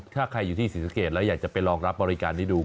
ถ้าใครอยู่ที่ศรีสะเกดแล้วอยากจะไปลองรับบริการนี้ดู